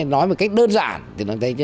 nói một cách đơn giản